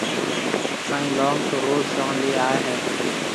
سائين لونگ تو روز چونه لي آئي هيَ۔